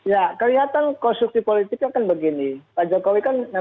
ya kelihatan konstruksi politiknya kan begini